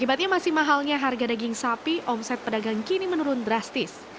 akibatnya masih mahalnya harga daging sapi omset pedagang kini menurun drastis